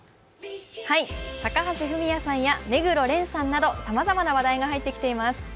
高橋文哉さんや目黒蓮さんなどさまざまな話題が入ってきています。